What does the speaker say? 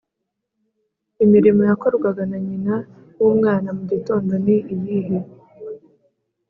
Imirimo yakorwaga na nyina w’umwana mu gitondo ni iyihe?